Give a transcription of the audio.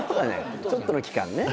ちょっとの期間ね。